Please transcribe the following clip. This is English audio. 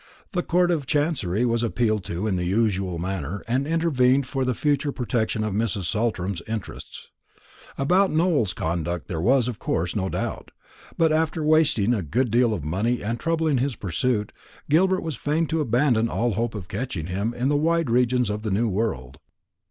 The Court of Chancery was appealed to in the usual manner, and intervened for the future protection of Mrs. Saltram's interests. About Nowell's conduct there was, of course, no doubt; but after wasting a good deal of money and trouble in his pursuit, Gilbert was fain to abandon all hope of catching him in the wide regions of the new world.